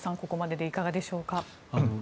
ここまででいかがでしょうか。